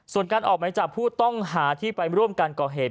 ส่วนการออกไหมจับผู้ต้องหาที่ไปร่วมกันก่อเหตุ